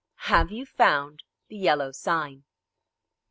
"Have you found the Yellow Sign?"